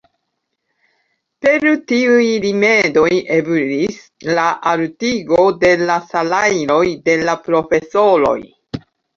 Per tiuj rimedoj eblis la altigo de la salajroj de la profesoroj.